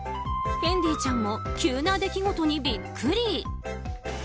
フェンディちゃんも急な出来事にビックリ。